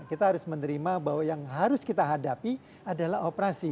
kita harus menerima bahwa yang harus kita hadapi adalah operasi